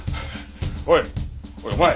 おいおいお前！